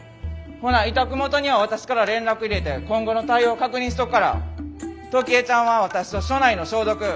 ほな委託元には私から連絡入れて今後の対応確認しとくから時江ちゃんは私と所内の消毒。